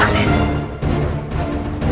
saya menjadi jokowi